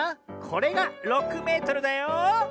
これが６メートルだよ。